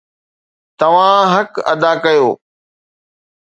توهان حق ادا ڪيو